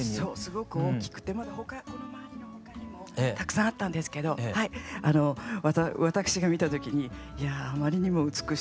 すごく大きくてまだ他にもたくさんあったんですけど私が見た時にいやあまりにも美しいのでということで。